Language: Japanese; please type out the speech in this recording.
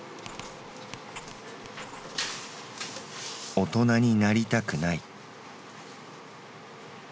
「大人になりたくない」。